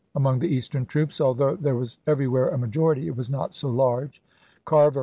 among the Eastern troops, although there was everywhere a majority, it was not so large. Carver i864.